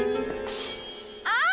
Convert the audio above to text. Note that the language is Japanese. あっ！